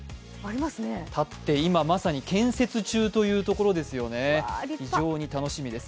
今まさに建設中というところですよね、非常に楽しみです。